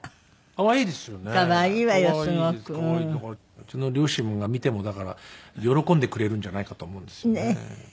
うちの両親が見てもだから喜んでくれるんじゃないかと思うんですよね。